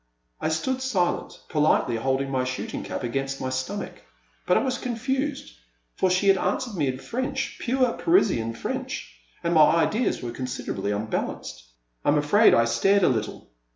'* I stood silent, politely holding my shooting cap against my stomach. But I was confused, for she had answered me in French, pure Parisian French, and my ideas were considerably unbalanced. I am afraid I stared a little.